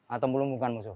atau melumpuhkan musuh